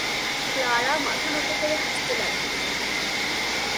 Clara মাথা নত করে হাসতে লাগলেন।